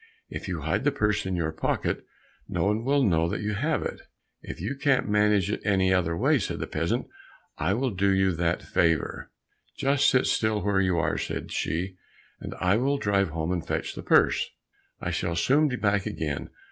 If you hide the purse in your pocket, no one will know that you have it." "If you can't manage it any other way," said the peasant, "I will do you that favor." "Just sit still where you are," said she, "and I will drive home and fetch the purse, I shall soon be back again.